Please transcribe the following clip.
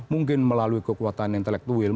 mungkin melalui kekuatan intelektual